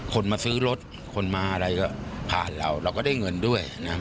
คนมาซื้อรถคนมาอะไรก็ผ่านเราเราก็ได้เงินด้วยนะ